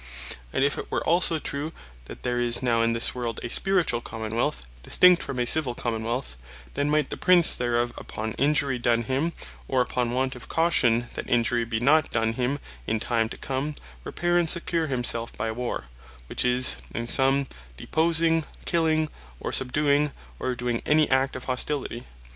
And if it were also true, that there is now in this world a Spirituall Common wealth, distinct from a Civill Common wealth, then might the Prince thereof, upon injury done him, or upon want of caution that injury be not done him in time to come, repaire, and secure himself by Warre; which is in summe, deposing, killing, or subduing, or doing any act of Hostility.